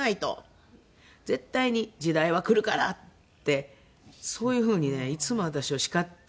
「絶対に時代はくるから」ってそういう風にねいつも私を叱って。